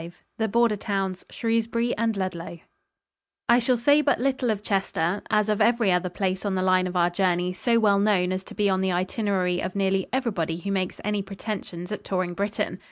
V THE BORDER TOWNS, SHREWSBURY AND LUDLOW I shall say but little of Chester, as of every other place on the line of our journey so well known as to be on the itinerary of nearly everybody who makes any pretensions at touring Britain.